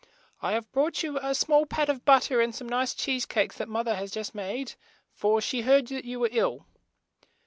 "I have brought you a small pat of but ter and some nice cheese cakes that moth er has just made, for she heard that you were ill."